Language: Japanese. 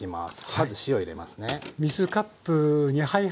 まず塩入れますね。